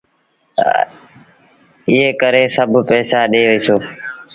ايٚئيٚن ڪري سڀ پئيسآ ڏي وهيٚسون۔